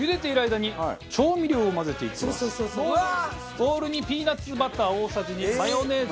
ボウルにピーナッツバター大さじ２マヨネーズ。